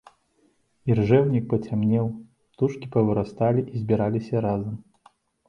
Іржэўнік пацямнеў, птушкі павырасталі і збіраліся разам.